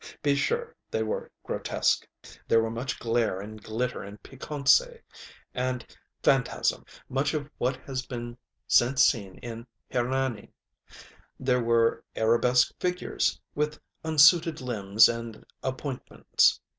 Be sure they were grotesque. There were much glare and glitter and piquancy and phantasmŌĆömuch of what has been since seen in ŌĆ£Hernani.ŌĆØ There were arabesque figures with unsuited limbs and appointments.